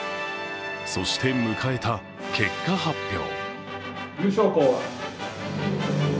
そして迎えた結果発表。